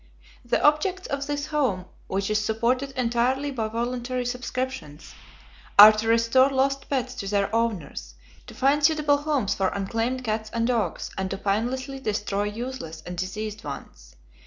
The objects of this home, which is supported entirely by voluntary subscriptions, are to restore lost pets to their owners, to find suitable homes for unclaimed cats and dogs, and to painlessly destroy useless and diseased ones.